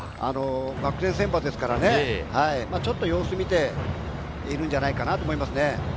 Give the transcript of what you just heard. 学連選抜ですからね、ちょっと様子を見ているんじゃないかなと思いますね。